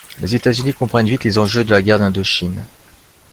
Les États-Unis comprennent vite les enjeux de la guerre d'Indochine.